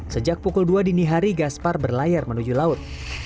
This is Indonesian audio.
sejak pukul dua dini hari gaspar berlayar menuju laut